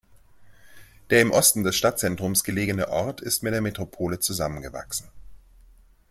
Der im Osten des Stadtzentrums gelegene Ort ist mit der Metropole zusammengewachsen.